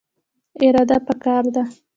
اراده پکار ده